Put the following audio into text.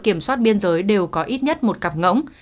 kiểm soát biên giới đều có ít nhất một cặp ngỗng